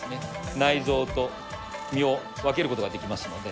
内蔵と身を分けることができますので。